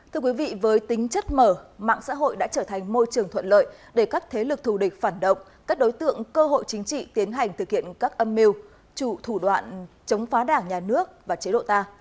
thưa quý vị với tính chất mở mạng xã hội đã trở thành môi trường thuận lợi để các thế lực thù địch phản động các đối tượng cơ hội chính trị tiến hành thực hiện các âm mưu chủ thủ đoạn chống phá đảng nhà nước và chế độ ta